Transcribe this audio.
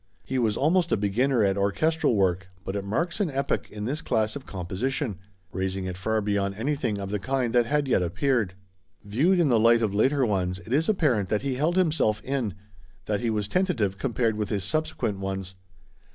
He was almost a beginner at orchestral work, but it marks an epoch in this class of composition, raising it far beyond anything of the kind that had yet appeared. Viewed in the light of later ones it is apparent that he held himself in; that he was tentative compared with his subsequent ones.